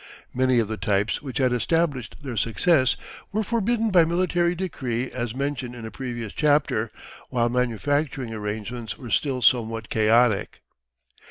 Many of the types which had established their success were forbidden by military decree as mentioned in a previous chapter, while manufacturing arrangements were still somewhat chaotic.